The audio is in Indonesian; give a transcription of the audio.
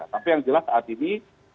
tapi yang jelas saat ini